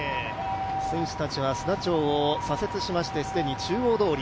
選手たちは須田町を左折しまして、既に中央通り。